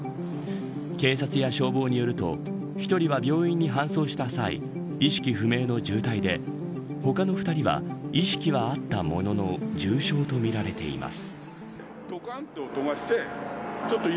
警察や消防によると１人は病院に搬送した際意識不明の重体で他の２人は意識はあったものの重傷とみられています。